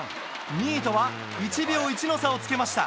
２位とは１秒１の差をつけました。